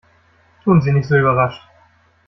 Tun Sie nicht so überrascht!